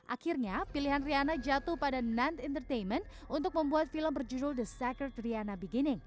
akhirnya pilihan rihanna jatuh pada nant entertainment untuk membuat film berjudul the sacred rihanna beginning